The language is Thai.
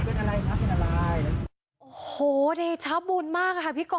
เอาลงมาครับเป็นอะไรครับเป็นอะไรโอ้โหได้ชะบุญมากค่ะพี่กอล์ฟ